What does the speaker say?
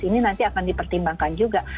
ini nanti akan dipertimbangkan juga